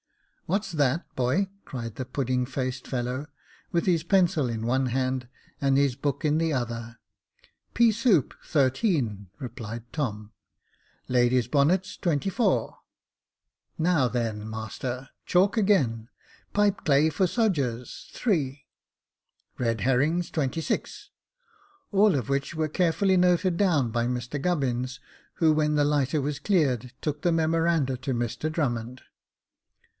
"What's that, boy?" cried the pudding faced fellow, with his pencil in one hand, and his book in the other. "Pea soup, 13," replied Tom; "ladies' bonnets, 24. Now, then, master, chalk again, pipe clay for sodgers, 3 ; red herrings, 26." All of which were carefully noted down by Mr Gubbins, who, when the lighter was cleared, took the memoranda to Mr Drummond.